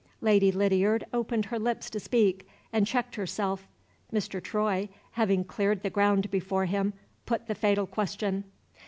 Lady Lydiard opened her lips to speak, and checked herself. Mr. Troy, having cleared the ground before him, put the fatal question.